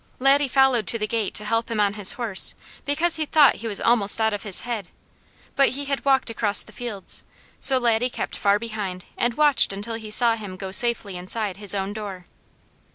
Laddie followed to the gate to help him on his horse, because he thought he was almost out of his head, but he had walked across the fields, so Laddie kept far behind and watched until he saw him go safely inside his own door.